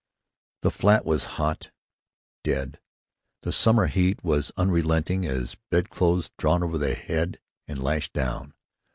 The flat was hot, dead. The summer heat was unrelenting as bedclothes drawn over the head and lashed down.